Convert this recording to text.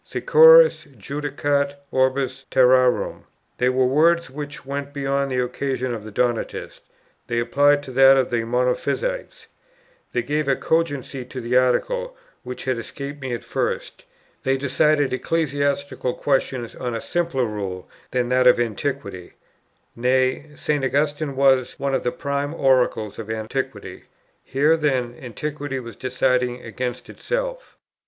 "Securus judicat orbis terrarum;" they were words which went beyond the occasion of the Donatists: they applied to that of the Monophysites. They gave a cogency to the Article, which had escaped me at first. They decided ecclesiastical questions on a simpler rule than that of Antiquity; nay, St. Augustine was one of the prime oracles of Antiquity; here then Antiquity was deciding against itself.